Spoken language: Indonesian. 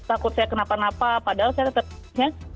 mereka takut takut saya kenapa napa padahal saya tetap ya